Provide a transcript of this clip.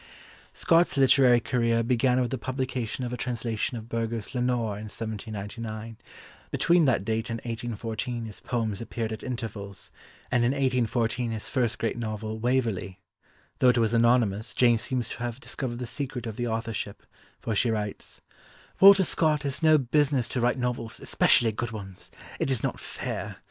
Scott's literary career began with the publication of a translation of Burger's "Lenore" in 1799, between that date and 1814 his poems appeared at intervals, and in 1814 his first great novel Waverley. Though it was anonymous, Jane seems to have discovered the secret of the authorship, for she writes: "Walter Scott has no business to write novels, especially good ones. It is not fair.